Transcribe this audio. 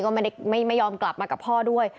ก็ไม่ยอมกลับมากับพ่อด้วย